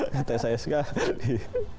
ngetes saya sekali